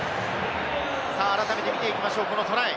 改めて見ていきましょう、このトライ。